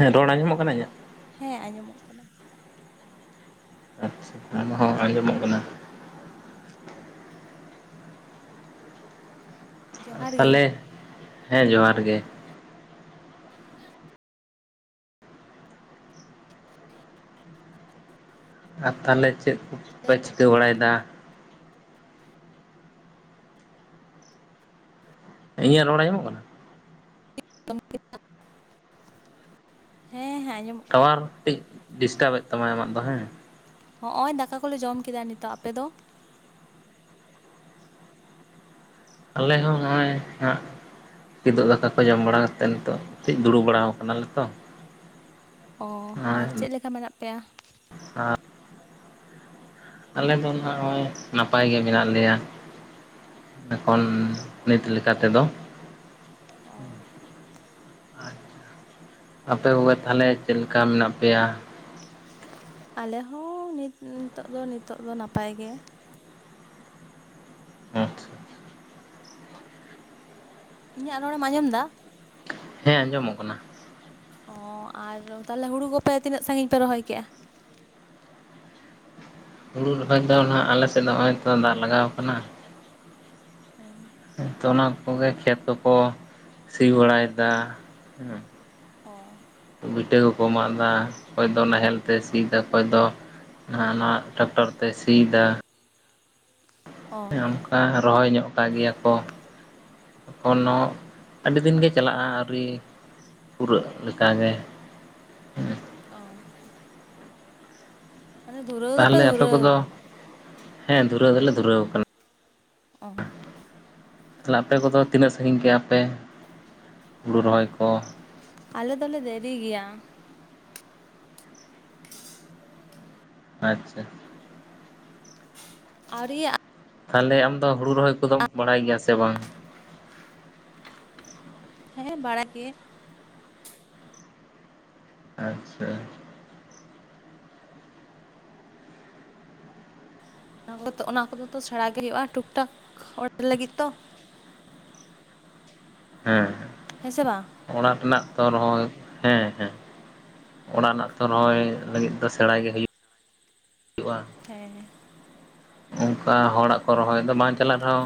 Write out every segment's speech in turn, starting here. ᱦᱮᱸ ᱨᱚᱲ ᱟᱸᱡᱚᱢ ᱚᱜ ᱠᱟᱱᱟ ᱤᱧᱟᱹᱜ? ᱦᱮᱸ ᱟᱸᱡᱚᱢᱚᱜ ᱠᱟᱱᱟ ᱾ ᱟᱨᱪᱪᱷᱟ ᱟᱢ ᱦᱚᱸ ᱟᱸᱡᱚᱢᱚᱜ ᱠᱟᱱᱟ ᱾ ᱡᱚᱦᱟᱨ ᱜᱮ ᱛᱟᱞᱮ ᱦᱮᱸ ᱡᱚᱦᱟᱨ ᱜᱮ ᱾ ᱟᱨ ᱛᱟᱦᱞᱮ ᱪᱮᱫ ᱠᱚᱯᱮ ᱪᱤᱠᱟᱹ ᱵᱟᱲᱟᱭ ᱫᱟ? ᱤᱧᱟᱹᱜ ᱨᱚᱲ ᱟᱸᱡᱚᱢᱚᱜ ᱠᱟᱱᱟ? [inaudible] ᱦᱮᱸ ᱦᱮᱸ ᱟᱸᱡᱚᱢᱚᱜ ᱠᱟᱱᱟ᱾ ᱴᱟᱣᱟᱨ ᱴᱤᱡ ᱰᱤᱥᱴᱟᱵ ᱮᱫ ᱛᱟᱢᱟ ᱟᱢᱟᱜ ᱫᱚ ᱦᱮᱸ ᱦᱚᱜᱼᱚᱭ ᱫᱟᱠᱟ ᱠᱚᱞᱮ ᱡᱚᱢ ᱠᱮᱫᱟ ᱱᱤᱛᱚᱜ ᱟᱯᱮ ᱫᱚ? ᱟᱞᱮ ᱦᱚᱸ ᱦᱚᱜᱼᱚᱭ ᱦᱟᱸᱜ ᱾ ᱠᱤᱸᱫᱩᱜ ᱫᱟᱠᱟ ᱠᱚ ᱡᱚᱢ ᱵᱟᱲᱟ ᱠᱟᱛᱮᱫ ᱱᱤᱛᱚᱜ ᱠᱟᱹᱡ ᱫᱩᱲᱩᱵ ᱵᱟᱲᱟ ᱠᱟᱱᱟ ᱞᱮ ᱛᱚ ᱾ ᱚ ᱟᱨ ᱪᱮᱜ ᱞᱮᱠᱟ ᱢᱮᱱᱟᱜ ᱯᱮᱭᱟ? [inaudible] ᱟᱞᱮ ᱫᱚ ᱱᱟᱸᱜᱼᱚᱭ ᱱᱟᱯᱟᱭ ᱜᱮ ᱢᱮᱱᱟᱜ ᱞᱮᱭᱟ ᱾ ᱮᱠᱷᱚᱱ ᱱᱤᱛ ᱞᱮᱠᱟ ᱛᱮᱫᱚ ᱚ ᱾ ᱟᱪᱪᱷᱟ ᱟᱯᱮ ᱠᱚᱜᱮ ᱛᱟᱦᱞᱮ ᱪᱮᱞᱠᱟ ᱢᱮᱱᱟᱜ ᱯᱮᱭᱟ? ᱟᱞᱮ ᱦᱚᱸ ᱱᱤᱛ ᱱᱤᱛᱚᱜ ᱫᱚ ᱱᱤᱛᱚᱜ ᱫᱚ ᱱᱟᱯᱟᱭ ᱜᱮ ᱾ ᱟᱪᱪᱷᱟ, ᱤᱧᱟᱹᱜ ᱨᱚᱲ ᱮᱢ ᱟᱸᱡᱚᱢ ᱫᱟ? ᱦᱮᱸ ᱟᱸᱡᱚᱢ ᱚᱜ ᱠᱟᱱᱟ ᱾ ᱚ ᱟᱨ ᱛᱟᱦᱞᱮ ᱦᱩᱲᱩ ᱠᱚᱯᱮ ᱛᱤᱱᱟᱹᱜ ᱥᱟᱸᱜᱤᱧ ᱯᱮ ᱨᱚᱦᱚᱭ ᱠᱮᱜᱼᱟ? ᱦᱩᱲᱩ ᱨᱚᱦᱚᱭ ᱫᱚ ᱱᱟᱸᱜ ᱟᱞᱮ ᱥᱮᱫ ᱱᱚᱸᱜᱼᱚᱭ ᱛᱚ ᱫᱟᱜ ᱞᱟᱜᱟᱣ ᱠᱟᱱᱟ᱾ ᱚ᱾ ᱦᱮᱸ ᱛᱚ ᱚᱱᱟ ᱠᱚᱜᱮ ᱠᱷᱮᱛ ᱠᱚ ᱥᱤ ᱵᱟᱲᱟᱭ ᱫᱟ ᱦᱮᱸ᱾ ᱚ᱾ ᱵᱤᱴᱟᱹ ᱠᱚᱠᱚ ᱢᱟᱜ ᱫᱟ ᱚᱠᱚᱭ ᱫᱚ ᱱᱟᱸᱦᱮᱞ ᱛᱮ ᱥᱤᱭ ᱫᱟ, ᱚᱠᱚᱭ ᱫᱚ ᱟ ᱱᱚᱣᱟ ᱱᱟᱣᱟ ᱴᱨᱟᱠᱴᱚᱨ ᱛᱮᱭ ᱥᱤᱭ ᱫᱟ, ᱚ ᱦᱮᱸ ᱚᱱᱠᱟ ᱨᱚᱦᱚᱭ ᱧᱚᱜ ᱠᱟᱜ ᱜᱮᱭᱟ ᱠᱚ᱾ ᱮᱠᱷᱚᱱᱚᱸ ᱟᱹᱰᱤ ᱫᱤᱱ ᱜᱮ ᱪᱟᱞᱟᱜᱼᱟ, ᱟᱹᱣᱨᱤ ᱯᱩᱨᱟᱹᱜ ᱞᱮᱠᱟᱜᱮ ᱦᱩᱸ᱾ ᱚ᱾ ᱢᱟᱱᱮ ᱫᱷᱩᱨᱟᱹᱣ ᱫᱚᱯᱮ ᱛᱟᱦᱚᱞᱮ ᱟᱯᱮ ᱫᱷᱩᱨᱟᱹᱣ ᱠᱚᱫᱚ ᱠᱟᱱᱟ? ᱦᱮᱸ ᱫᱷᱩᱨᱟᱹᱣ ᱫᱚᱞᱮ ᱫᱷᱩᱨᱟᱹᱣ ᱠᱟᱱᱟ᱾ ᱚᱸ᱾ ᱛᱟᱦᱞᱮ ᱟᱯᱮ ᱠᱚᱫᱚ ᱛᱤᱱᱟᱹᱜ ᱥᱟᱝᱜᱤᱧ ᱠᱮᱜᱼᱟ ᱯᱮ ᱦᱩᱲᱩ ᱨᱚᱦᱚᱭ ᱠᱚ? ᱟᱞᱮ ᱫᱚᱞᱮ ᱫᱮᱨᱤ ᱜᱮᱭᱟ᱾ ᱟᱪᱪᱷᱟ᱾ ᱟᱣᱨᱤᱭᱟᱜ ᱛᱟᱦᱞᱮ ᱟᱢ ᱫᱚ ᱦᱩᱲᱩ ᱨᱚᱦᱚᱭ ᱠᱚᱫᱚᱢ ᱵᱟᱲᱟᱭ ᱜᱮᱭᱟ ᱥᱮ ᱵᱟᱝ? ᱦᱮᱸ ᱵᱟᱲᱟᱭ ᱜᱮᱭᱟᱹᱧ᱾ ᱟᱪᱪᱷᱟ᱾ ᱚᱱᱟ ᱠᱚ ᱚᱱᱟ ᱠᱚᱫᱚ ᱛᱚ ᱥᱮᱬᱟ ᱜᱮ ᱦᱩᱭᱩᱜᱼᱟ ᱴᱩᱠ ᱴᱷᱟᱠ ᱚᱲᱟᱜ ᱞᱟᱹᱜᱤᱫ ᱛᱚ᱾ ᱦᱮᱸ ᱦᱮᱸ᱾ ᱦᱮᱸᱥᱮ ᱵᱟᱝ? ᱚᱲᱟᱜ ᱨᱮᱱᱟᱜ ᱛᱚ ᱨᱚᱦᱚᱭ ᱦᱮᱸ ᱦᱮᱸ ᱚᱲᱟᱜ ᱨᱮᱱᱟᱜ ᱛᱚ ᱨᱚᱦᱚᱭ ᱞᱟᱹᱜᱤᱫ ᱫᱚ ᱥᱮᱬᱟᱭ ᱜᱮ ᱦᱩᱭᱩᱜ ᱦᱮᱸ᱾ ᱚᱝᱠᱟ ᱦᱚᱲᱟᱜ ᱠᱚ ᱨᱚᱦᱚᱭ ᱫᱚ ᱵᱟᱝ ᱪᱟᱞᱟᱜ ᱨᱮᱦᱚᱸ,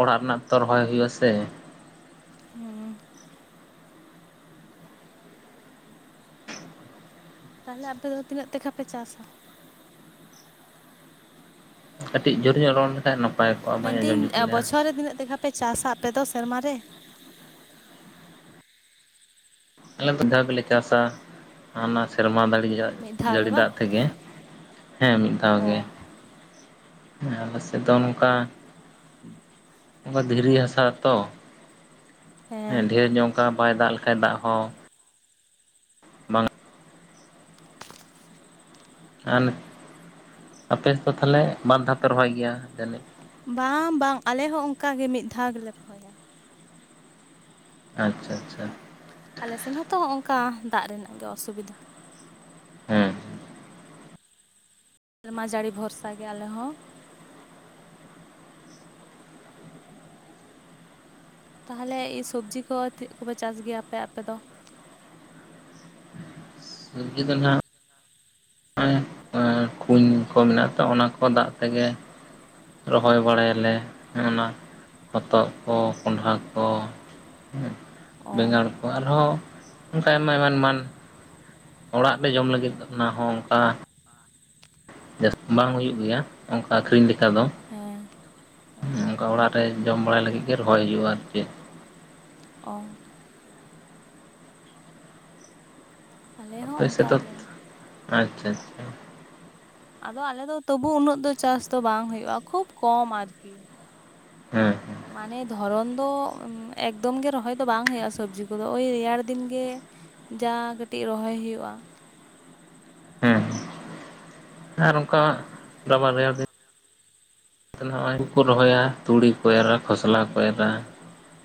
ᱚᱲᱟᱜ ᱨᱮᱱᱟᱜ ᱛᱚ ᱨᱚᱦᱚᱭ ᱦᱩᱭᱩᱜ ᱟᱥᱮ? ᱦᱩᱸ᱾ ᱛᱟᱦᱚᱞᱮ ᱟᱯᱮᱚ ᱫᱚ ᱛᱤᱱᱟᱹᱜ ᱛᱮᱠᱷᱟ ᱯᱮ ᱪᱟᱥᱟ? ᱠᱟᱹᱴᱤᱡ ᱡᱳᱨ ᱧᱚᱜ ᱨᱚᱲ ᱞᱮᱠᱷᱟᱡ ᱱᱟ ᱢᱮᱱᱫᱤᱧ ᱵᱚᱪᱷᱚᱨ ᱨᱮ ᱛᱤᱱᱟᱹᱜ ᱛᱮᱠᱷᱟ ᱯᱮ ᱪᱟᱥᱟ ᱟᱯᱮ ᱫᱚ ᱥᱮᱨᱢᱟ ᱨᱮ? ᱟᱞᱮ ᱫᱚ ᱢᱤᱫᱫᱷᱟᱣ ᱜᱮᱞᱮ ᱪᱟᱥᱟ ᱦᱟᱸᱱᱟ ᱥᱮᱨᱢᱟ ᱫᱟᱲᱤ ᱢᱤᱫ ᱫᱷᱟᱣ ᱜᱮ ᱡᱟᱹᱲᱤ ᱵᱟᱝ? ᱫᱟᱜ ᱛᱮᱜᱮ᱾ ᱦᱮᱸ ᱢᱤᱫ ᱫᱷᱟᱣ ᱜᱮ, ᱚ ᱟᱞᱮ ᱥᱮᱫ ᱫᱚ ᱚᱱᱠᱟ ᱚᱱᱠᱟ ᱫᱷᱤᱨᱤ ᱦᱟᱥᱟ ᱛᱚ, ᱦᱮᱸ ᱰᱷᱮᱨ ᱧᱚᱜ ᱚᱝᱠᱟ ᱵᱟᱭ ᱫᱟᱜ ᱞᱮᱠᱷᱟᱡ ᱫᱟᱜ ᱦᱚᱸ ᱵᱟᱝ ᱟᱨ ᱟᱯᱮᱥᱮᱫᱚ ᱛᱟᱦᱞᱮ ᱵᱟᱨ ᱫᱷᱟᱣ ᱯᱮ ᱨᱚᱦᱚᱭ ᱜᱮᱭᱟ ᱡᱟᱹᱱᱤᱡ? ᱵᱟᱝ ᱵᱟᱝ ᱟᱞᱮ ᱦᱚᱸ ᱚᱝᱠᱟᱜᱮ ᱢᱤᱫ ᱫᱷᱟᱣ ᱜᱮᱞᱮ ᱨᱚᱦᱚᱭᱟ᱾ ᱟᱪᱪᱷᱟ ᱟᱪᱪᱷᱟ᱾ ᱟᱞᱮ ᱥᱮᱱ ᱦᱚᱸᱛᱚᱜ ᱦᱚᱸᱜ ᱚᱝᱠᱟ ᱫᱟᱜ ᱨᱮᱱᱟᱜ ᱜᱮ ᱚᱥᱩᱵᱤᱫᱟ᱾ ᱦᱩᱸ ᱦᱩᱸ᱾ ᱥᱮᱨᱢᱟ ᱡᱟᱹᱲᱤ ᱵᱷᱚᱨᱥᱟ ᱜᱮ ᱟᱞᱮ ᱦᱚᱸ᱾ ᱛᱟᱦᱚᱞᱮ ᱤᱥᱚᱵᱽᱡᱤ ᱠᱚ ᱪᱮᱫ ᱠᱚᱯᱮ ᱪᱟᱥ ᱜᱮᱭᱟ ᱟᱯᱮ ᱟᱯᱮ ᱫᱚ? ᱥᱚᱵᱡᱤ ᱫᱚ ᱱᱟᱦᱟᱸᱜ ᱠᱩᱧ ᱠᱚ ᱢᱮᱱᱟᱜᱼᱟ ᱛᱚ, ᱚᱱᱟ ᱠᱚ ᱫᱟᱜ ᱛᱮᱜᱮ ᱨᱚᱦᱚᱭ ᱵᱟᱲᱟᱭ ᱟᱞᱮ ᱾ ᱚᱱᱟ ᱦᱚᱛᱚᱫ ᱠᱚ ᱠᱚᱸᱰᱷᱟ ᱠᱚ ᱚ ᱵᱮᱸᱜᱟᱲ ᱟᱨᱦᱚᱸ ᱚᱱᱠᱟ ᱟᱭᱢᱟ ᱮᱢᱟᱱ ᱮᱢᱟᱱ ᱚᱲᱟᱜ ᱨᱮ ᱡᱚᱢ ᱞᱟᱹᱜᱤᱫ ᱚᱱᱟ ᱦᱚᱸ ᱚᱱᱠᱟ ᱡᱟᱹᱥᱛᱤ ᱵᱟᱝ ᱦᱩᱭᱩᱜ ᱜᱮᱭᱟ, ᱚᱱᱠᱟ ᱟᱹᱠᱷᱨᱤᱧ ᱞᱮᱠᱟ ᱫᱚ᱾ ᱦᱮᱸ ᱦᱮᱸ ᱚᱱᱠᱟ ᱚᱲᱟᱜ ᱨᱮ ᱡᱚᱢ ᱵᱟᱲᱟᱭ ᱞᱟᱹᱜᱤᱫ ᱜᱮ ᱨᱚᱦᱚᱭ ᱦᱩᱭᱩᱜᱼᱟ ᱟᱨ ᱪᱮᱫ ᱾ ᱚ ᱟᱞᱮ ᱦᱚᱸ ᱟᱯᱮ ᱥᱮᱫ ᱚᱱᱠᱟ ᱛᱚ, ᱜᱮ᱾ ᱟᱪᱪᱷᱟ, ᱟᱪᱪᱷᱟ ᱾ ᱟᱫᱚ ᱟᱞᱮ ᱫᱚ ᱛᱚᱵᱩ ᱩᱱᱟᱹᱜ ᱫᱚ ᱪᱟᱥ ᱫᱚ ᱵᱟᱝ ᱦᱳᱭᱳᱜᱼᱟ, ᱠᱷᱩᱵ ᱠᱚᱢ ᱟᱨᱠᱤ ᱾ ᱦᱮᱸ ᱾ ᱢᱟᱱᱮ ᱫᱷᱚᱨᱚᱱ ᱫᱚ ᱮᱠᱫᱚᱢ ᱜᱮ, ᱨᱚᱦᱚᱭ ᱫᱚ ᱵᱟᱝ ᱦᱩᱭᱩᱜᱼᱟ, ᱥᱚᱵᱽᱡᱤ ᱠᱚᱫᱚ ᱳᱭ ᱨᱮᱭᱟᱲ ᱫᱤᱱ ᱜᱮ ᱡᱟ ᱠᱟᱹᱴᱤᱡ ᱨᱚᱦᱚᱭ ᱦᱩᱭᱩᱜᱼᱟ ᱾ ᱦᱮᱸ ᱟᱨ ᱚᱱᱠᱟ ᱫᱚ ᱵᱟ ᱨᱮᱭᱟᱲ ᱫᱤᱱ ᱛᱟᱦᱚᱞᱮ ᱱᱚᱜᱼᱚᱭ ᱨᱚᱦᱚᱭᱟ ᱛᱩᱲᱤ ᱠᱚ ᱮᱨᱟ, ᱠᱷᱚᱥᱞᱟ ᱠᱚ ᱮᱨᱟ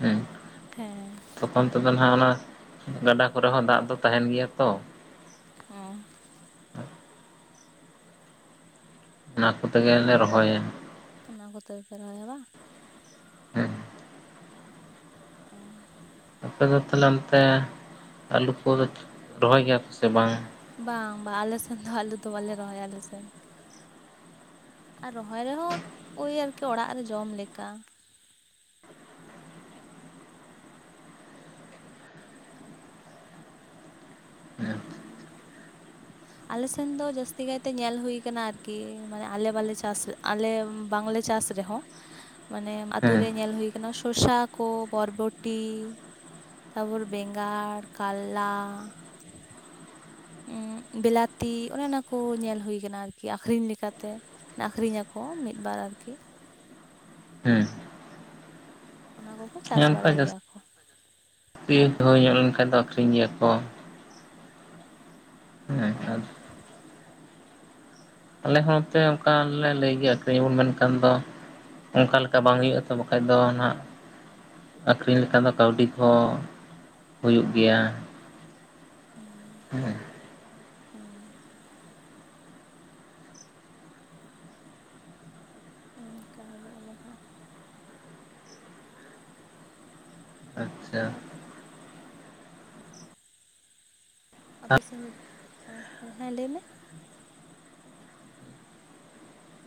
ᱦᱮᱸ ᱾ ᱦᱮᱸ ᱾ ᱛᱚᱠᱷᱚᱱ ᱛᱮᱫᱚ ᱱᱟᱦᱟᱜ ᱚᱱᱟ ᱜᱟᱰᱟ ᱠᱚᱨᱮ ᱦᱚᱸ ᱫᱟᱜ ᱫᱚ ᱛᱟᱦᱮᱸᱱ ᱜᱮᱭᱟ ᱛᱚ᱾ ᱦᱚᱸ ᱾ ᱚᱱᱟ ᱠᱚ ᱛᱮᱜᱮᱞᱮ ᱨᱚᱦᱚᱭᱟ ᱾ ᱚᱱᱟ ᱠᱚᱛᱮ ᱜᱮ ᱯᱮ ᱨᱚᱦᱚᱭᱟ ᱵᱟᱝ ᱾ ᱦᱮᱸ ᱾ ᱚ ᱟᱯᱮ ᱫᱚ ᱛᱟᱦᱚᱞᱮ ᱚᱱᱛᱮ ᱟᱞᱩ ᱠᱚᱫᱚ ᱨᱚᱦᱚᱭ ᱜᱮᱭᱟ ᱯᱮ ᱥᱮ ᱵᱟᱝ? ᱵᱟᱝ, ᱵᱟᱝ ᱟᱞᱮ ᱥᱮᱱ ᱫᱚ ᱟᱞᱩ ᱫᱚ ᱵᱟᱞᱮ ᱨᱚᱦᱚᱭᱟ ᱟᱞᱮᱥᱮᱱ ᱾ ᱟᱨ ᱨᱚᱦᱚᱭ ᱨᱮᱦᱚᱸ ᱳᱭ ᱟᱨᱠᱤ ᱚᱲᱟᱜ ᱨᱮ ᱡᱚᱢ ᱞᱮᱠᱟ ᱾ ᱦᱮᱸ ᱚᱱᱟ ᱜᱮ ᱾ [inaudible] ᱟᱞᱮ ᱥᱮᱱ ᱫᱚ ᱡᱟᱹᱥᱛᱤ ᱠᱟᱭ ᱛᱮ ᱧᱮᱞ ᱦᱩᱭ ᱠᱟᱱᱟ, ᱟᱨᱠᱤ ᱢᱟᱱᱮ ᱟᱞᱮ ᱵᱟᱞᱮ ᱪᱟᱥ ᱟᱞᱮ ᱵᱟᱝ ᱞᱮ ᱪᱟᱥ ᱨᱮᱦᱚᱸ ᱢᱟᱱᱮ ᱟᱹᱛᱩ ᱦᱮᱸ ᱨᱮ ᱧᱮᱞ ᱦᱩᱭ ᱟᱠᱟᱱᱟ, ᱥᱚᱥᱟ ᱠᱚ ᱵᱚᱨᱵᱚᱴᱤ ᱛᱟᱨᱯᱚᱨ ᱵᱮᱸᱜᱟᱲ ᱠᱟᱞᱞᱟ ᱩᱸ ᱵᱮᱞᱟᱛᱤ ᱚᱱᱮ ᱚᱱᱟ ᱠᱚ, ᱧᱮᱞ ᱦᱩᱭ ᱟᱠᱟᱱᱟ ᱟᱨᱠᱤ ᱟᱹᱠᱷᱨᱤᱧ ᱞᱮᱠᱟ ᱛᱮ ᱾ ᱟᱹᱠᱷᱨᱤᱧ ᱟᱠᱚ ᱢᱤᱫ ᱵᱟᱨ ᱟᱨᱠᱤ ᱾ ᱦᱮᱸ ᱚᱱᱟ ᱠᱚᱠᱚ ᱪᱟᱥ ᱚᱱᱠᱟ ᱵᱟᱲᱟᱭ ᱜᱮᱭᱟ ᱡᱟᱹᱥᱛᱤ ᱠᱚ ᱾ ᱦᱩᱭ ᱧᱚᱜ ᱞᱮᱱᱠᱷᱟᱱ ᱫᱚ ᱟᱹᱠᱷᱨᱤᱧ ᱜᱮᱭᱟ ᱠᱚ ᱾ ᱦᱮᱸ ᱚ ᱟᱨ ᱟᱞᱮ ᱦᱚᱸᱛᱮ ᱚᱱᱠᱟᱞ ᱞᱮ ᱞᱟᱹᱭ ᱜᱮᱭᱟ ᱟᱹᱠᱷᱨᱤᱧ ᱩᱱ ᱢᱮᱱᱠᱷᱟᱱ ᱫᱚ ᱚᱱᱠᱟ ᱞᱮᱠᱟ ᱵᱟᱝ ᱦᱩᱭᱩᱜᱼᱟ ᱛᱚ, ᱵᱟᱠᱷᱟᱡ ᱫᱚ ᱱᱟᱦᱟᱜ ᱟᱹᱠᱷᱨᱤᱧ ᱞᱮᱠᱷᱟᱱ ᱫᱚ ᱠᱟᱹᱣᱰᱤ ᱠᱚ ᱦᱩᱭᱩᱜ ᱜᱮᱭᱟ ᱾ ᱦᱮᱸ ᱾ [inaudible] ᱦᱮᱸ ᱾ ᱚᱱᱠᱟ ᱜᱮ ᱟᱞᱮ ᱦᱚᱸ ᱾ ᱟᱪᱪᱷᱟ ᱾ ᱛᱟᱦᱚᱞᱮ ᱟᱯᱮᱥᱮᱱ ᱦᱮᱸ, ᱦᱮᱸ ᱞᱟᱹᱭ ᱢᱮ ᱾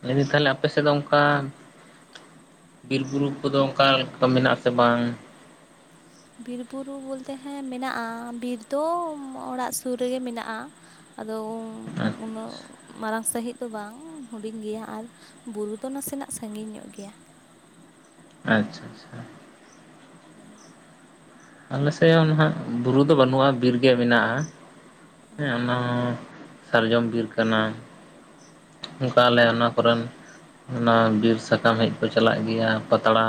ᱞᱟᱹᱭ ᱫᱟᱧ ᱛᱟᱦᱚᱞᱮ ᱟᱯᱮ ᱥᱮᱫ ᱫᱚ ᱚᱱᱠᱟ ᱵᱤᱨ ᱵᱩᱨᱩ ᱠᱚᱫᱚ ᱚᱱᱠᱟ ᱞᱮᱠᱟ ᱢᱮᱱᱟᱜᱼᱟ ᱥᱮ ᱵᱟᱝ? ᱵᱤᱨ ᱵᱩᱨᱩ ᱵᱚᱞᱛᱮ ᱦᱮᱸ ᱢᱮᱱᱟᱜᱼᱟ, ᱵᱤᱨ ᱫᱚ ᱚᱲᱟᱜ ᱥᱩᱨ ᱨᱮᱜᱮ ᱢᱮᱱᱟᱜᱼᱟ ᱾ ᱟᱫᱚ ᱟᱪ ᱩᱱᱟᱹᱜ ᱢᱟᱨᱟᱝ ᱥᱟᱺᱦᱤᱡ ᱫᱚ ᱵᱟᱝ, ᱦᱩᱰᱤᱧ ᱜᱮᱭᱟ ᱟᱨ ᱵᱩᱨᱩ ᱫᱚ ᱱᱟᱥᱮᱱᱟᱜ ᱥᱟᱺᱜᱤᱧ ᱧᱚᱜ ᱜᱮᱭᱟ ᱾ ᱟᱪᱪᱷᱟ, ᱟᱪᱪᱷᱟ ᱦᱮᱸ ᱾ [inaudible] ᱟᱞᱮᱥᱮᱫ ᱦᱚᱸ ᱱᱟᱦᱟᱜ ᱵᱩᱨᱩ ᱫᱚ ᱵᱟᱹᱱᱩᱜᱼᱟ, ᱵᱤᱨ ᱜᱮ ᱢᱮᱱᱟᱜᱼᱟ ᱾ ᱦᱮᱸ ᱚᱱᱟ ᱦᱚᱸ ᱥᱟᱨᱡᱚᱢ ᱵᱤᱨ ᱠᱟᱱᱟ ᱾ ᱚᱱᱠᱟ ᱟᱞᱮ ᱚᱱᱟ ᱠᱚᱨᱮᱱ ᱚᱱᱟ ᱵᱤᱨ ᱥᱟᱠᱟᱢ ᱦᱮᱡ ᱠᱚ ᱪᱟᱞᱟᱜ ᱜᱮᱭᱟ, ᱯᱟᱛᱲᱟ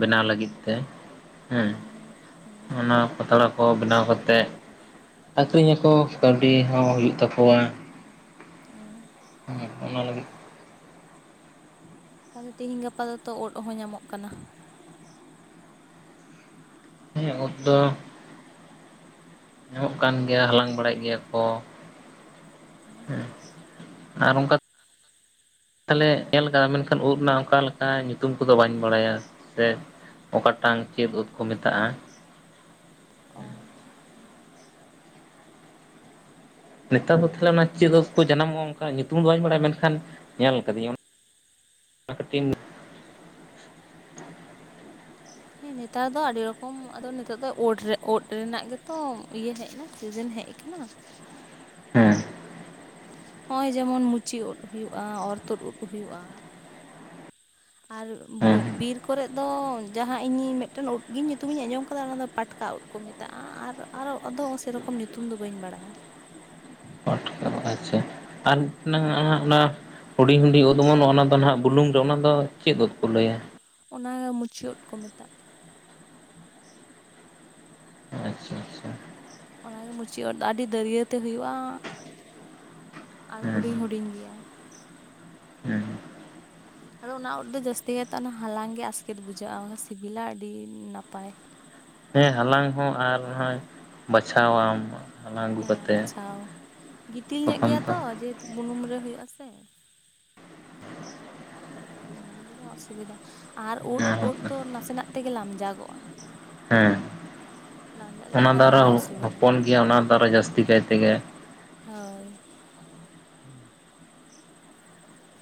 ᱵᱮᱱᱟᱣ ᱞᱟᱹᱜᱤᱫ ᱛᱮ ᱾ ᱦᱮᱸ᱾ ᱚᱱᱟ ᱯᱟᱛᱲᱟ ᱠᱚ ᱵᱮᱱᱟᱣ ᱠᱟᱛᱮᱫ ᱟᱹᱠᱷᱨᱤᱧ ᱟᱠᱚ ᱠᱟᱹᱣᱰᱤ ᱦᱚᱸ ᱦᱩᱭᱩᱜ ᱛᱟᱠᱚᱣᱟ ᱾ ᱦᱮᱸ ᱾ ᱦᱮᱸ ᱚᱱᱟ ᱞᱟᱹᱜᱤᱫ ᱛᱟᱦᱚᱞᱮ ᱛᱮᱦᱮᱧ ᱜᱟᱯᱟ ᱫᱚᱛᱚ ᱩᱫᱽ ᱦᱚᱸ ᱧᱟᱢᱚᱜ ᱠᱟᱱᱟ ᱾ ᱦᱮᱸ ᱩᱫᱽ ᱫᱚ ᱧᱟᱢᱚᱜ ᱠᱟᱱ ᱜᱮᱭᱟ ᱦᱟᱞᱟᱝ ᱵᱟᱲᱟᱭ ᱜᱮᱭᱟ ᱠᱚ ᱦᱮᱸ ᱾ ᱟᱨ ᱚᱱᱠᱟ ᱛᱟᱦᱚᱞᱮ ᱧᱮᱞ ᱟᱠᱟᱫᱟ ᱢᱮᱱᱠᱷᱟᱱ ᱩᱫᱽ ᱨᱮᱱᱟᱜ ᱚᱱᱠᱟ ᱞᱮᱠᱟ ᱧᱩᱛᱩᱢ ᱠᱚᱫᱚ ᱵᱟᱹᱧ ᱵᱟᱲᱟᱭᱟ ᱥᱮ ᱚᱠᱟᱴᱟᱝ ᱪᱮᱫ ᱩᱫᱽ ᱠᱚ ᱢᱮᱛᱟᱜᱼᱟ ᱾ ᱚ ᱱᱮᱛᱟᱨ ᱫᱚ ᱛᱟᱦᱚᱞᱮ ᱚᱱᱟ ᱪᱮᱫ ᱩᱫᱽ ᱠᱚ ᱡᱟᱱᱟᱢᱚᱜᱼᱟ, ᱚᱱᱠᱟ ᱧᱩᱛᱩᱢ ᱫᱚ ᱵᱟᱹᱧ ᱵᱟᱲᱟᱭᱟ ᱢᱮᱱᱠᱷᱟᱱ ᱧᱮᱞ ᱠᱟᱫᱤᱧ ᱚᱱᱟ ᱠᱟᱹᱴᱤᱱ ᱦᱮᱸ ᱱᱮᱛᱟᱨ ᱫᱚ ᱟᱹᱰᱤ ᱨᱚᱠᱚᱢ ᱟᱫᱚ ᱱᱤᱛᱚᱜ ᱫᱚ ᱩᱫᱽ ᱨᱮ ᱩᱫᱽ ᱨᱮᱱᱟᱜ ᱜᱮᱛᱚ ᱤᱭᱟᱹ ᱦᱮᱡ ᱮᱱᱟ ᱥᱤᱡᱮᱱ ᱦᱮᱡ ᱟᱠᱟᱱᱟ ᱾ ᱦᱮᱸ ᱾ ᱱᱚᱜᱼᱚᱭ ᱡᱮᱢᱚᱱ ᱢᱩᱪᱤ ᱩᱫᱽ ᱦᱩᱭᱩᱜᱼᱟ, ᱚᱨ ᱛᱩᱫ ᱩᱫᱽ ᱦᱩᱭᱩᱜᱼᱟ ᱾ ᱟᱨ ᱦᱮᱸ ᱵᱤᱨ ᱠᱚᱨᱮᱫ ᱫᱚ ᱡᱟᱦᱟᱸ ᱤᱧ ᱢᱤᱫᱴᱮᱱ ᱩᱫᱽ ᱜᱮ ᱧᱩᱛᱩᱢ ᱤᱧ ᱟᱸᱡᱚᱢ ᱟᱠᱟᱫᱟ ᱚᱱᱟ ᱯᱟᱴ ᱠᱟ ᱩᱫᱽ ᱠᱚ ᱢᱮᱛᱟᱜᱼᱟ, ᱟᱨᱚ ᱟᱫᱚ ᱥᱮᱨᱚᱠᱚᱢ ᱧᱩᱛᱩᱢ ᱫᱚ ᱵᱟᱹᱧ ᱵᱟᱲᱟᱭᱟ ᱾ ᱯᱟᱴᱠᱟ ᱟᱪᱪᱷᱟ ᱟᱨ ᱢᱤᱫᱴᱟᱝ ᱚᱱᱟ ᱦᱩᱰᱤᱧ ᱦᱩᱰᱤᱧ ᱩᱫᱽ ᱚᱢᱚᱱᱚᱜᱼᱟ, ᱚᱱᱟ ᱫᱚ ᱱᱟᱦᱟᱜ ᱵᱩᱞᱩᱝ ᱨᱮ ᱚᱱᱟ ᱫᱚ ᱪᱮᱫ ᱩᱫᱽ ᱠᱚ ᱞᱟᱹᱭᱟ ᱾ ᱚᱱᱟ ᱜᱮ ᱢᱩᱪᱤ ᱩᱫᱽ ᱠᱚ ᱢᱮᱛᱟᱜᱼᱟ ᱾ ᱟᱪᱪᱷᱟ, ᱟᱪᱪᱷᱟ ᱾ ᱚᱱᱟ ᱜᱮ ᱢᱩᱪᱤ ᱩᱫᱽ ᱫᱚ ᱟᱹᱰᱤ ᱫᱟᱹᱨᱭᱟᱹᱛᱮ ᱦᱩᱭᱩᱜᱼᱟ ᱾ ᱟᱨ ᱦᱮᱸ ᱦᱩᱰᱤᱧ ᱦᱩᱰᱤᱧ ᱜᱮᱭᱟ ᱾ ᱦᱮᱸ ᱾ ᱟᱫᱚ ᱚᱱᱟ ᱩᱫᱽ ᱫᱚ ᱡᱟᱹᱥᱛᱤ ᱠᱟᱭᱛᱮ ᱚᱱᱟ ᱦᱟᱞᱟᱝ ᱜᱮ ᱟᱥᱠᱮᱛ ᱵᱩᱡᱷᱟᱹᱜᱼᱟ, ᱥᱤᱵᱤᱞᱟ ᱟᱹᱰᱤ ᱱᱟᱯᱟᱭ ᱾ ᱦᱮᱸ ᱦᱟᱞᱟᱝ ᱦᱚᱸ ᱟᱨ ᱦᱚᱢ ᱵᱟᱪᱷᱟᱣᱟᱢ ᱾ ᱦᱮᱸ ᱵᱟᱪᱷᱟᱣ ᱜᱤᱛᱤᱞ ᱧᱚᱜ ᱛᱚᱠᱷᱚᱱ ᱜᱮᱭᱟ ᱫᱚ ᱛᱚ, ᱡᱮᱦᱮᱛᱩ ᱵᱩᱱᱩᱢ ᱨᱮ ᱦᱩᱭᱩᱜᱼᱟ ᱥᱮ ᱾ ᱚᱱᱟ ᱜᱮᱞᱮ ᱚᱥᱩᱵᱤᱫᱷᱟ ᱟᱨ ᱩᱫᱽ, ᱩᱫᱽ ᱦᱮᱸ ᱫᱚ ᱱᱟᱥᱮᱱᱟᱜ ᱛᱮᱜᱮ ᱞᱟᱢᱡᱟᱜᱚᱜᱼᱟ ᱾ ᱦᱮᱸ ᱾ ᱚᱱᱟ ᱫᱚ ᱞᱮᱱᱠᱷᱟᱱ ᱟᱨᱚ ᱚᱥᱩᱵᱤᱫᱟ ᱦᱚᱯᱚᱱ ᱜᱮᱭᱟ ᱚᱱᱟ ᱫᱚ ᱟᱨᱚ ᱡᱟᱹᱥᱛᱤ ᱠᱟᱭ ᱛᱮᱜᱮ ᱦᱳᱭ ᱾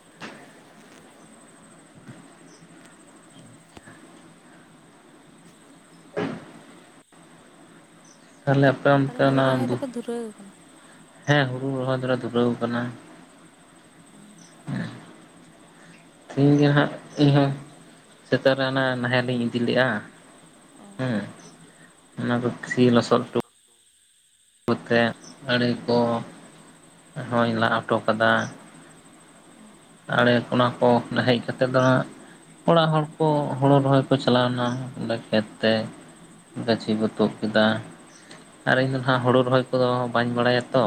[inaudible] [inaudible] ᱛᱟᱦᱚᱞᱮ ᱟᱯᱮ ᱛᱟᱦᱚᱞᱮ ᱚᱱᱛᱮ ᱦᱩᱲᱩ ᱚᱱᱟ ᱨᱚᱦᱚᱭ ᱫᱚᱯᱮ ᱫᱷᱩᱨᱟᱹᱣ ᱟᱠᱟᱱᱟ [inaudible] ᱦᱮᱸ ᱦᱩᱲᱩ ᱨᱚᱦᱚᱭ ᱫᱚᱞᱮ ᱫᱷᱩᱨᱟᱹᱣ ᱟᱠᱟᱱᱟ ᱾ [inaudible] ᱛᱮᱦᱤᱧ ᱜᱮ ᱦᱟᱜ ᱤᱧᱦᱚᱸ ᱥᱮᱛᱟᱜ ᱨᱮ ᱚᱱᱮ ᱱᱟᱦᱮᱞᱤᱧ ᱤᱫᱤ ᱞᱮᱫᱼᱟ ᱾ ᱚ ᱚᱱᱟ ᱫᱚ ᱠᱤᱥᱤ ᱞᱚᱥᱚᱫ ᱴᱩ [inaudible] ᱦᱚᱧ ᱞᱟ ᱦᱚᱴᱚ ᱵᱚᱨᱱᱚ ᱠᱟᱫᱟ ᱦᱚᱴᱚ ᱠᱟᱫᱟ ᱚ ᱟᱲᱮ ᱚᱱᱟ ᱠᱚ ᱛᱟᱦᱮᱡ ᱠᱟᱛᱮᱫ ᱫᱚ ᱱᱟᱜ ᱚᱲᱟᱜ ᱦᱚᱲ ᱠᱚ ᱦᱳᱲᱳ ᱨᱚᱦᱚᱭ ᱠᱚ ᱪᱟᱞᱟᱣ ᱱᱟ ᱚᱸᱰᱮ ᱠᱷᱮᱛ ᱛᱮ ᱾ ᱜᱟᱹᱪᱷᱤ ᱦᱮᱸ ᱜᱚ ᱛᱩᱫ ᱠᱮᱫᱟ ᱟᱨ ᱤᱧᱫᱚ ᱦᱟᱸ ᱦᱳᱲᱳ ᱨᱚᱦᱚᱭ ᱠᱚᱫᱚ ᱵᱟᱹᱧ ᱵᱟᱲᱟᱭᱟ ᱛᱚ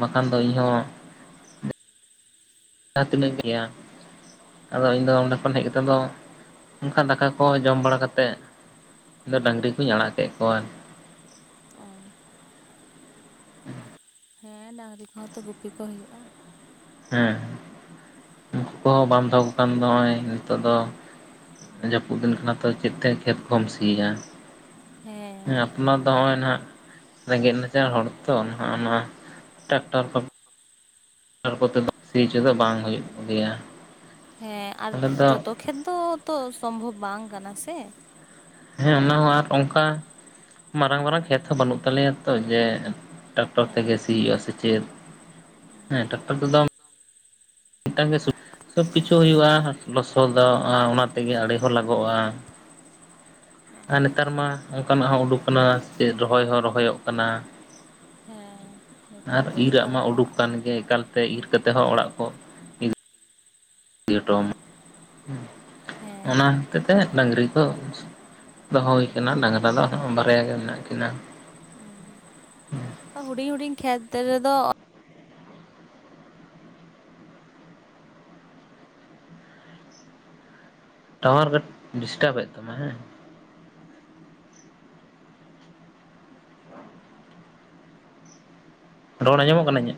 ᱵᱟᱠᱷᱟᱱ ᱫᱚ ᱤᱧᱦᱚᱸ ᱡᱟᱦᱟᱸ ᱛᱤᱱᱟᱹᱜ ᱜᱮᱭᱟ ᱾ ᱟᱫᱚ ᱤᱧ ᱫᱚ ᱚᱸᱰᱮ ᱠᱷᱚᱱ ᱦᱮᱸ ᱦᱮᱡ ᱠᱟᱛᱮᱫ ᱫᱚ ᱚᱱᱠᱟ ᱫᱟᱠᱟ ᱠᱚ ᱡᱚᱢ ᱵᱟᱲᱟ ᱠᱟᱛᱮᱫ ᱾ ᱤᱧ ᱫᱚ ᱰᱟᱹᱝᱨᱤ ᱠᱩᱧ ᱟᱲᱟᱜ ᱠᱮᱫ ᱠᱚᱣᱟ ᱾ ᱚ ᱦᱮᱸ ᱰᱟᱝᱨᱤ ᱠᱚᱦᱚᱸ ᱛᱚ ᱜᱩᱯᱤ ᱠᱚ ᱦᱩᱭᱩᱜᱼᱟ ᱾ ᱦᱮᱸ ᱩᱱᱠᱩ ᱠᱚᱦᱚᱸ ᱵᱟᱢ ᱫᱚᱦᱚᱠᱚ ᱠᱟᱱ ᱱᱚᱜᱼᱚᱭ ᱱᱤᱛᱚᱜ ᱫᱚ ᱡᱟᱹᱯᱩᱫ ᱫᱤᱱ ᱠᱟᱱᱟ ᱾ ᱛᱚ ᱪᱮᱫᱛᱮ ᱠᱷᱮᱛ ᱠᱚᱢ ᱥᱤᱭᱟ ᱦᱮᱸ ᱟᱯᱱᱟᱨ ᱫᱚ ᱱᱚᱜᱼᱚᱭ ᱱᱟᱦᱟᱜ ᱨᱮᱸᱜᱮᱡ ᱱᱟᱪᱟᱨ ᱦᱚᱲ ᱛᱚ ᱱᱟᱦᱟᱜ ᱚᱱᱟ ᱴᱨᱟᱠᱴᱟᱨ ᱠᱚ ᱛᱟᱨ ᱠᱚᱛᱮ ᱫᱚ ᱥᱤ ᱪᱚᱫᱚ ᱵᱟᱝ ᱦᱩᱭᱩᱜ ᱜᱮᱭᱟ ᱦᱮᱸ ᱟᱨ ᱟᱞᱮ ᱫᱚ ᱡᱚᱛᱚ ᱠᱷᱮᱛ ᱫᱚ ᱛᱚ ᱥᱚᱢᱵᱷᱚᱵ ᱵᱟᱝ ᱠᱟᱱᱟ ᱥᱮ ᱦᱮᱸ ᱚᱱᱟ ᱦᱚᱸ ᱟᱨ ᱚᱝᱠᱟ ᱢᱟᱨᱟᱝ ᱢᱟᱨᱟᱝ ᱠᱷᱮᱛ ᱦᱚᱸ ᱵᱟᱹᱱᱩᱜ ᱛᱟᱞᱮᱭᱟ ᱛᱚ ᱡᱮ ᱴᱮᱠᱴᱚᱨ ᱦᱮᱸ ᱛᱮᱜᱮ ᱥᱤᱭᱚᱜᱼᱟ ᱥᱮᱪᱮᱫ ᱦᱮᱸ ᱴᱮᱠᱴᱚᱨ ᱛᱮᱫᱚ ᱾ ᱴᱟᱝ ᱜᱮ ᱥᱩᱠ ᱥᱚᱵ ᱠᱤᱪᱷᱩ ᱦᱩᱭᱩᱜᱼᱟ ᱞᱚᱥᱚᱫ ᱫᱟᱜᱼᱟ ᱚᱱᱟ ᱛᱮᱜᱮ ᱟᱲᱮ ᱦᱚᱸ ᱞᱟᱜᱟᱜᱼᱟ ᱾ ᱦᱮᱸ ᱟᱨ ᱱᱮᱛᱟᱨ ᱢᱟ ᱚᱱᱠᱟᱱᱟᱜ ᱦᱚᱸ ᱩᱰᱩᱠ ᱠᱟᱱᱟ ᱥᱮᱪᱮᱫ ᱨᱚᱦᱚᱭ ᱦᱚᱸ ᱨᱚᱦᱚᱭᱚᱜ ᱠᱟᱱᱟ ᱾ ᱦᱮᱸ ᱟᱨ ᱱᱮᱛᱟᱨ ᱫᱚ ᱤᱨᱟᱜ ᱡᱚᱛᱚ ᱢᱟ ᱩᱰᱩᱠ ᱨᱚᱠᱚᱢᱟᱜ ᱠᱟᱱ ᱜᱮ ᱮᱠᱟᱞᱛᱮ ᱤᱨ ᱠᱟᱛᱮ ᱦᱚᱸ ᱚᱲᱟᱜ ᱠᱚ ᱤᱫᱤ ᱜᱮ [inaudible] ᱦᱮᱸ ᱚᱱᱟ, ᱛᱮᱛᱮ ᱦᱮᱫ ᱰᱟᱹᱝᱨᱤ ᱠᱚ ᱫᱚᱦᱚ ᱦᱳᱭ ᱠᱟᱱᱟ ᱰᱟᱝᱨᱟ ᱫᱚ ᱵᱟᱨᱭᱟ ᱜᱮ ᱢᱮᱱᱟᱜ ᱠᱤᱱᱟ ᱾ ᱚᱻ ᱦᱩᱰᱤᱧ ᱦᱩᱰᱤᱧ ᱠᱷᱮᱛ ᱨᱮᱫᱚ ᱴᱟᱣᱟᱨ ᱠᱟᱹᱴ ᱰᱤᱥᱴᱟᱵ ᱮᱫ ᱛᱟᱢᱟ ᱦᱮᱸ ᱾ ᱨᱚᱲ ᱟᱸᱡᱚᱢᱚᱜ ᱠᱟᱱᱟ ᱤᱧᱟᱜ?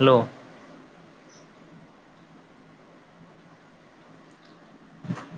ᱦᱮᱞᱳ, [inaudible]